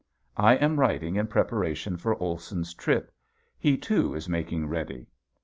I am writing in preparation for Olson's trip. He too is making ready.